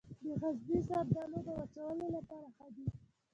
د غزني زردالو د وچولو لپاره ښه دي.